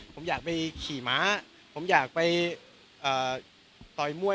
ผมอยากไปขี่ม้าผมอยากไปต่อยมวย